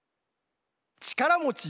ちからもち？